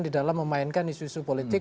di dalam memainkan isu isu politik